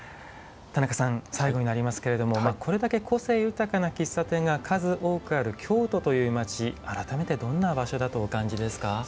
田中さん最後になりますけれどもこれだけ個性豊かな喫茶店が数多くある京都という街改めてどんな場所だとお感じですか？